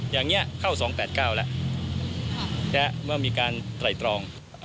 อย่างนี้เข้า๒๘๙แล้วและเมื่อมีการไตรตรอง